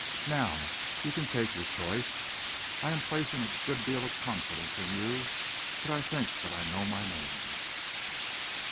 Now you can take your choice. I am placing a good deal of confidence in you, but I think that I know my man."